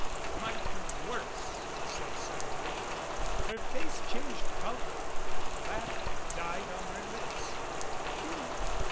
You might do worse," he said suddenly. Her face changed color and the laughter died on her lips. "You?